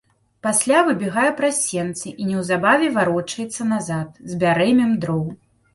Пасля выбягае праз сенцы і неўзабаве варочаецца назад з бярэмем дроў.